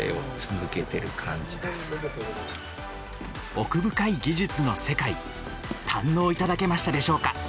奥深い技術の世界堪能いただけましたでしょうか？